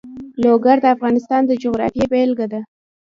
لوگر د افغانستان د جغرافیې بېلګه ده.